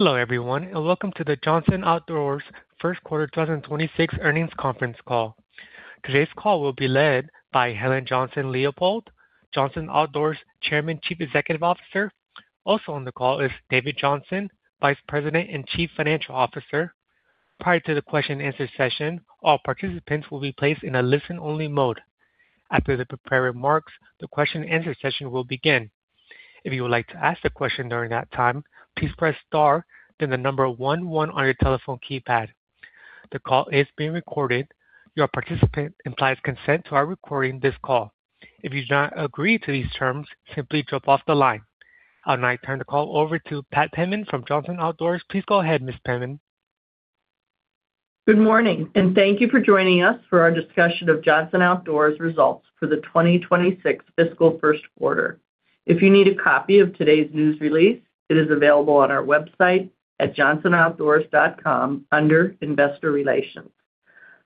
Hello everyone and welcome to the Johnson Outdoors first quarter 2026 earnings conference call. Today's call will be led by Helen Johnson-Leipold, Johnson Outdoors Chairman, Chief Executive Officer. Also on the call is David Johnson, Vice President and Chief Financial Officer. Prior to the question and answer session, all participants will be placed in a listen-only mode. After the prepared remarks, the question and answer session will begin. If you would like to ask a question during that time, please press * then 11 on your telephone keypad. The call is being recorded. Your participation implies consent to our recording this call. If you do not agree to these terms, simply drop off the line. I'll now turn the call over to Pat Penman from Johnson Outdoors. Please go ahead, Ms. Penman. Good morning, and thank you for joining us for our discussion of Johnson Outdoors' results for the 2026 fiscal first quarter. If you need a copy of today's news release, it is available on our website at JohnsonOutdoors.com under Investor Relations.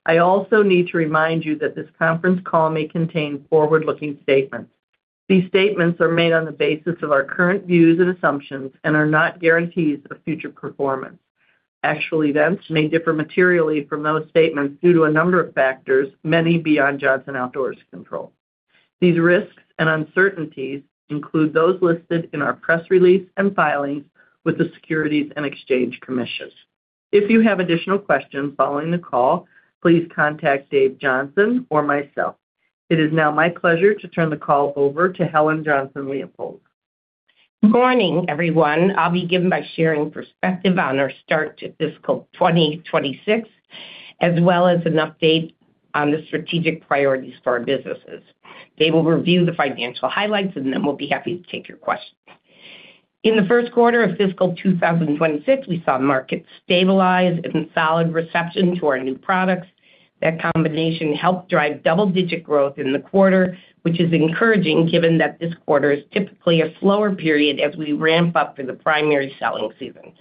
I also need to remind you that this conference call may contain forward-looking statements. These statements are made on the basis of our current views and assumptions and are not guarantees of future performance. Actual events may differ materially from those statements due to a number of factors, many beyond Johnson Outdoors' control. These risks and uncertainties include those listed in our press release and filings with the Securities and Exchange Commission. If you have additional questions following the call, please contact Dave Johnson or myself. It is now my pleasure to turn the call over to Helen Johnson-Leipold. Good morning, everyone. I'll begin by sharing perspective on our start to fiscal 2026, as well as an update on the strategic priorities for our businesses. Dave will review the financial highlights, and then we'll be happy to take your questions. In the first quarter of fiscal 2026, we saw markets stabilize and solid reception to our new products. That combination helped drive double-digit growth in the quarter, which is encouraging given that this quarter is typically a slower period as we ramp up for the primary selling season.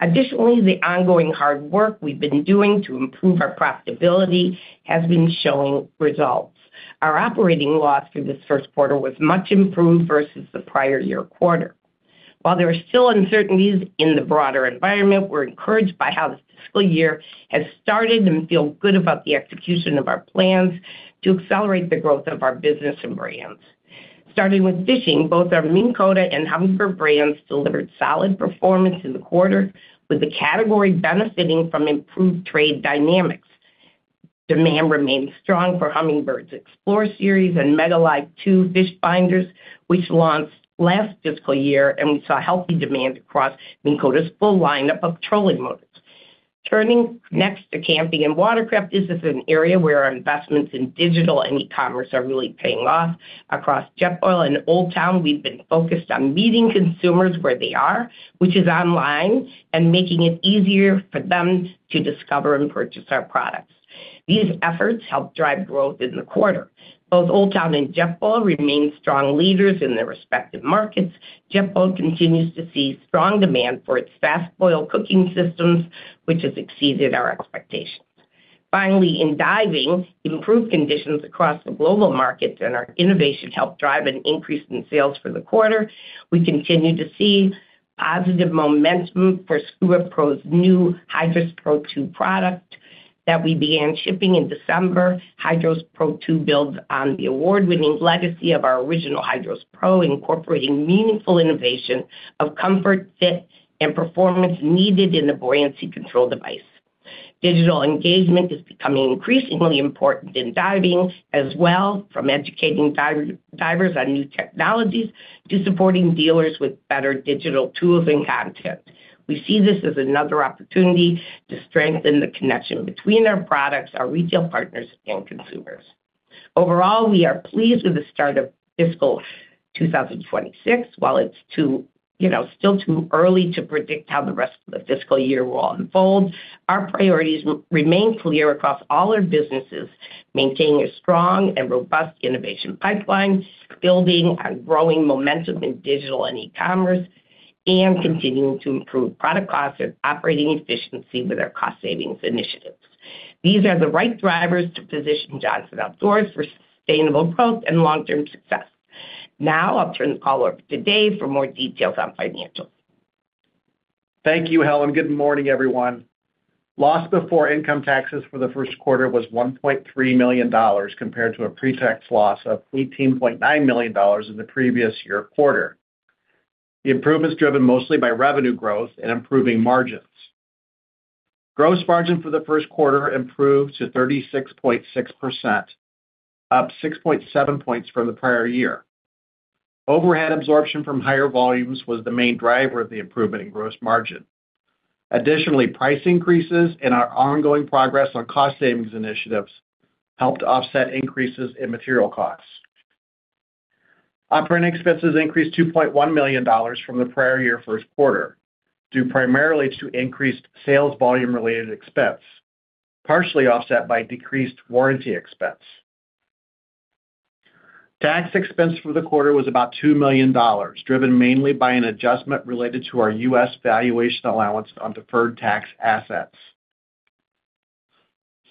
Additionally, the ongoing hard work we've been doing to improve our profitability has been showing results. Our operating loss for this first quarter was much improved versus the prior-year quarter. While there are still uncertainties in the broader environment, we're encouraged by how this fiscal year has started and feel good about the execution of our plans to accelerate the growth of our business and brands. Starting with fishing, both our Minn Kota and Humminbird brands delivered solid performance in the quarter, with the category benefiting from improved trade dynamics. Demand remains strong for Humminbird's XPLORE Series and MEGA Live 2 fish finders, which launched last fiscal year, and we saw healthy demand across Minn Kota's full lineup of trolling motors. Turning next to camping and watercraft, this is an area where our investments in digital and e-commerce are really paying off. Across Jetboil and Old Town, we've been focused on meeting consumers where they are, which is online, and making it easier for them to discover and purchase our products. These efforts helped drive growth in the quarter. Both Old Town and Jetboil remain strong leaders in their respective markets. Jetboil continues to see strong demand for its fast boil cooking systems, which has exceeded our expectations. Finally, in diving, improved conditions across the global markets and our innovation helped drive an increase in sales for the quarter. We continue to see positive momentum for SCUBAPRO's new HYDROS PRO 2 product that we began shipping in December. HYDROS PRO 2 builds on the award-winning legacy of our original HYDROS PRO, incorporating meaningful innovation of comfort, fit, and performance needed in a buoyancy control device. Digital engagement is becoming increasingly important in diving, as well from educating divers on new technologies to supporting dealers with better digital tools and content. We see this as another opportunity to strengthen the connection between our products, our retail partners, and consumers. Overall, we are pleased with the start of fiscal 2026. While it's still too early to predict how the rest of the fiscal year will unfold, our priorities remain clear across all our businesses: maintaining a strong and robust innovation pipeline, building and growing momentum in digital and e-commerce, and continuing to improve product costs and operating efficiency with our cost savings initiatives. These are the right drivers to position Johnson Outdoors for sustainable growth and long-term success. Now I'll turn the call over to Dave for more details on financials. Thank you, Helen. Good morning, everyone. Loss before income taxes for the first quarter was $1.3 million compared to a pretax loss of $18.9 million in the previous year quarter. The improvement is driven mostly by revenue growth and improving margins. Gross margin for the first quarter improved to 36.6%, up 6.7 points from the prior year. Overhead absorption from higher volumes was the main driver of the improvement in gross margin. Additionally, price increases and our ongoing progress on cost savings initiatives helped offset increases in material costs. Operating expenses increased $2.1 million from the prior year first quarter due primarily to increased sales volume-related expense, partially offset by decreased warranty expense. Tax expense for the quarter was about $2 million, driven mainly by an adjustment related to our U.S. valuation allowance on deferred tax assets.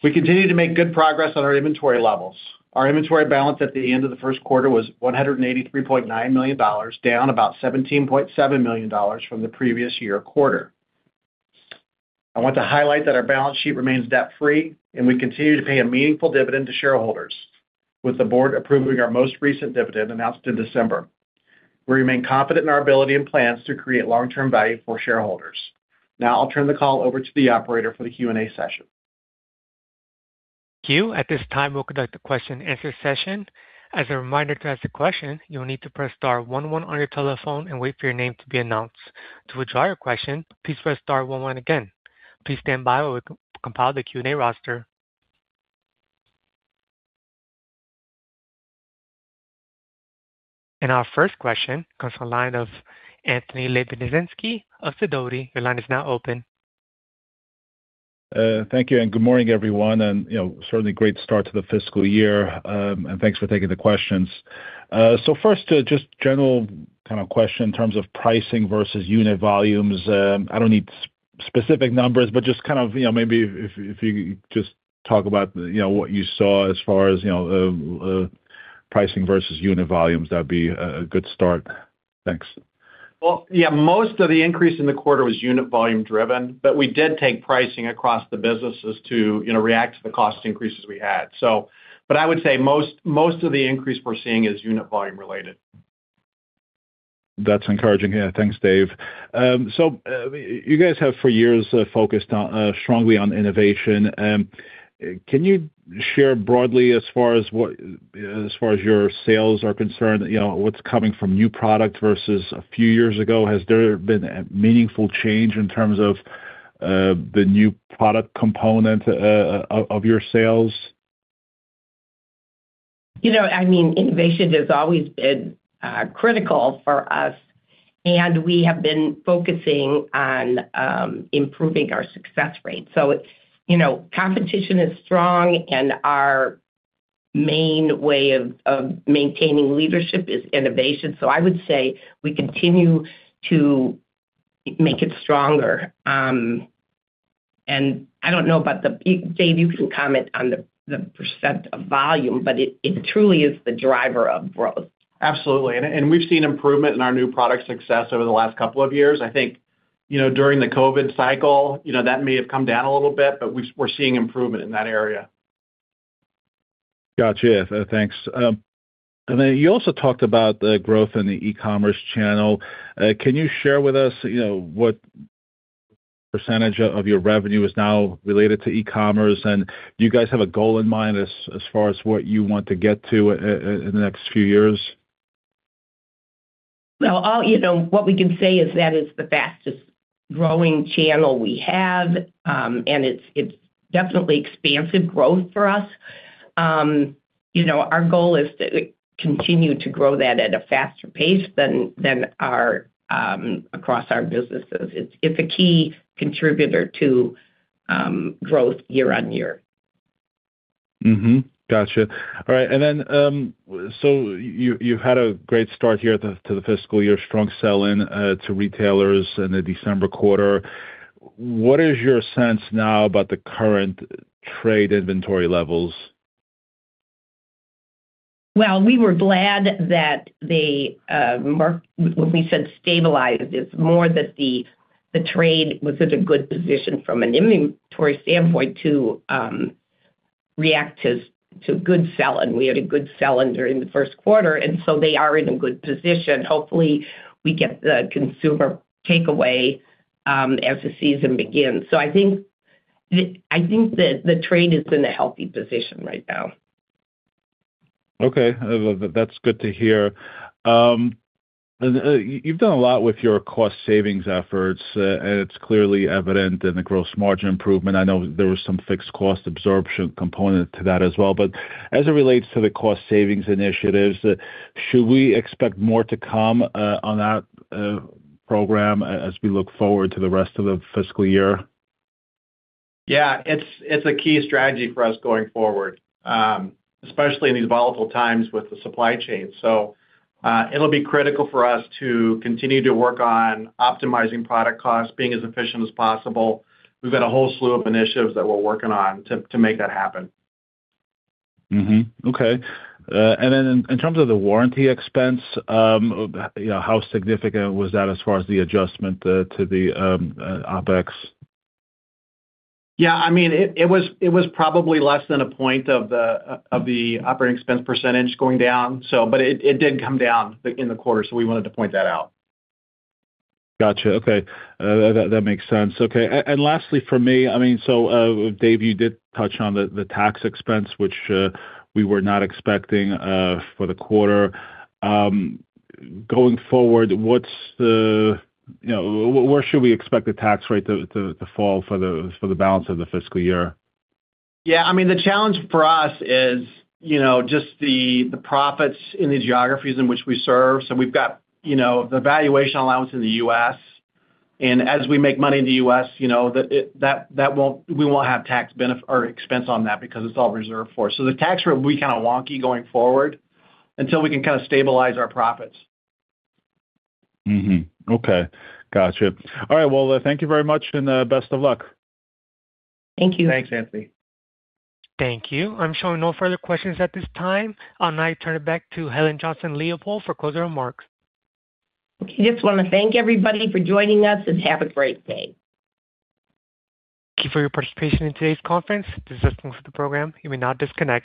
We continue to make good progress on our inventory levels. Our inventory balance at the end of the first quarter was $183.9 million, down about $17.7 million from the previous year quarter. I want to highlight that our balance sheet remains debt-free, and we continue to pay a meaningful dividend to shareholders, with the board approving our most recent dividend announced in December. We remain confident in our ability and plans to create long-term value for shareholders. Now I'll turn the call over to the operator for the Q&A session. Thank you. At this time, we'll conduct the question and answer session. As a reminder to ask a question, you'll need to press star one one on your telephone and wait for your name to be announced. To withdraw your question, please press star one one again. Please stand by while we compile the Q&A roster. Our first question comes from the line of Anthony Lebiedzinski of Sidoti. Your line is now open. Thank you, and good morning, everyone. Certainly a great start to the fiscal year, and thanks for taking the questions. First, just general kind of question in terms of pricing versus unit volumes. I don't need specific numbers, but just kind of maybe if you just talk about what you saw as far as pricing versus unit volumes, that'd be a good start. Thanks. Well, yeah, most of the increase in the quarter was unit volume driven, but we did take pricing across the businesses to react to the cost increases we had. But I would say most of the increase we're seeing is unit volume related. That's encouraging. Yeah, thanks, Dave. So you guys have for years focused strongly on innovation. Can you share broadly as far as your sales are concerned, what's coming from new product versus a few years ago? Has there been a meaningful change in terms of the new product component of your sales? I mean, innovation has always been critical for us, and we have been focusing on improving our success rate. Competition is strong, and our main way of maintaining leadership is innovation. I would say we continue to make it stronger. And I don't know about that, Dave, you can comment on the percent of volume, but it truly is the driver of growth. Absolutely. And we've seen improvement in our new product success over the last couple of years. I think during the COVID cycle, that may have come down a little bit, but we're seeing improvement in that area. Gotcha. Yeah, thanks. And then you also talked about the growth in the e-commerce channel. Can you share with us what percentage of your revenue is now related to e-commerce, and do you guys have a goal in mind as far as what you want to get to in the next few years? Well, what we can say is that is the fastest growing channel we have, and it's definitely expansive growth for us. Our goal is to continue to grow that at a faster pace than across our businesses. It's a key contributor to growth year on year. Gotcha. All right. Then so you've had a great start here to the fiscal year, strong sell-in to retailers in the December quarter. What is your sense now about the current trade inventory levels? Well, we were glad that when we said stabilized, it's more that the trade was in a good position from an inventory standpoint to react to good sell-in. We had a good sell-in during the first quarter, and so they are in a good position. Hopefully, we get the consumer takeaway as the season begins. So I think the trade is in a healthy position right now. Okay. That's good to hear. You've done a lot with your cost savings efforts, and it's clearly evident in the gross margin improvement. I know there was some fixed cost absorption component to that as well. But as it relates to the cost savings initiatives, should we expect more to come on that program as we look forward to the rest of the fiscal year? Yeah, it's a key strategy for us going forward, especially in these volatile times with the supply chain. So it'll be critical for us to continue to work on optimizing product costs, being as efficient as possible. We've got a whole slew of initiatives that we're working on to make that happen. Okay. And then in terms of the warranty expense, how significant was that as far as the adjustment to the OpEx? Yeah, I mean, it was probably less than a point of the operating expense percentage going down, but it did come down in the quarter, so we wanted to point that out. Gotcha. Okay. That makes sense. Okay. And lastly, for me, I mean, so Dave, you did touch on the tax expense, which we were not expecting for the quarter. Going forward, where should we expect the tax rate to fall for the balance of the fiscal year? Yeah, I mean, the challenge for us is just the profits in the geographies in which we serve. So we've got the valuation allowance in the U.S., and as we make money in the U.S., we won't have tax or expense on that because it's all reserved for us. So the tax rate, we'll be kind of wonky going forward until we can kind of stabilize our profits. Okay. Gotcha. All right. Well, thank you very much, and best of luck. Thank you. Thanks, Anthony. Thank you. I'm showing no further questions at this time. I'll now turn it back to Helen Johnson-Leipold for closing remarks. Okay. Just want to thank everybody for joining us and have a great day. Thank you for your participation in today's conference. This concludes the program, you may now disconnect.